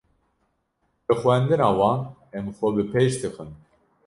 Bi xwendina wan em xwe bi pêş dixin.